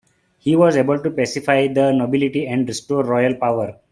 He was able to pacify the nobility and restore royal power.